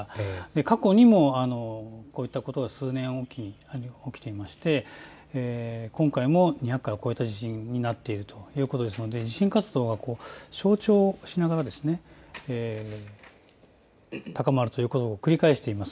過去にもこういったことは数年おきに起きていまして今回も２００回を超えた地震になっているということですので地震活動が高まるということを繰り返しています。